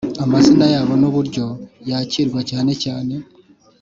amazina yabo n uburyo yakirwa cyane cyane